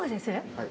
はい。